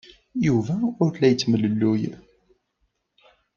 Yuba ur la yettemlelluy.